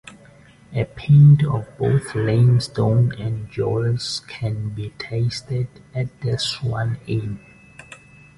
A pint of both Lymestone and Joules can be tasted at the Swan Inn.